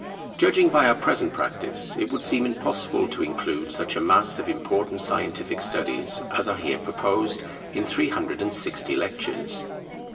[Concentration of study] Judging by our present practice, it would seem impossible to include such a mass of important scientific studies, as are here proposed, in three hundred and sixty lectures.